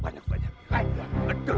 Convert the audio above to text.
silahkan mengambil muka kami constitution